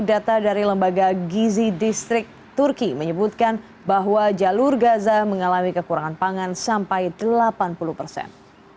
data dari lembaga gizi distrik turki menyebutkan bahwa jalur gaza mengalami kekurangan pangan sampai delapan puluh persen